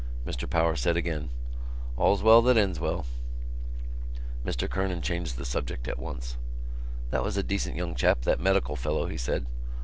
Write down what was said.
Mr Power said again: "All's well that ends well." Mr Kernan changed the subject at once. "That was a decent young chap, that medical fellow," he said.